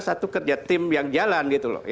satu kerja tim yang jalan